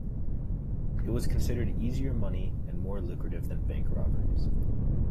It was considered easier money and more lucrative than bank robberies.